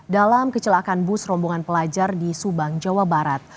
dalam kecelakaan bus rombongan pelajar di subang jawa barat